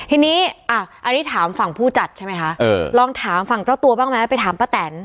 ทีนี้อันนี้ถามฝั่งผู้จัดใช่ไหมคะลองถามฝั่งเจ้าตัวบ้างไหมไปถามป้าแตน